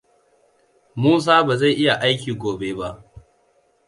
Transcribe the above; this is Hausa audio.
Musa bazai iya aiki gobe ba.